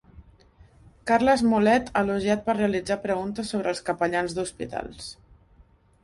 Carles Mulet elogiat per realitzar preguntes sobre els capellans d'hospitals